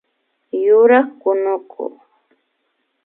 Yurak kunuku